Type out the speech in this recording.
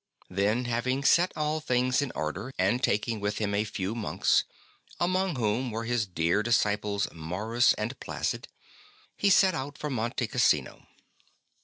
'' Then, having set all things in order, and taking with him a few monks, among whom were his dear disciples Maurus and Placid, he set out for Monte Cassino.